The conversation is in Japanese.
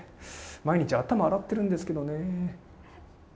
毎日頭洗ってるんですけどね。